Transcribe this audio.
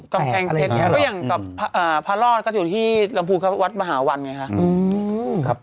กำแพงเพชรก็อย่างกับพระรอดก็อยู่ที่ลำพูนครับวัดมหาวันไงคะ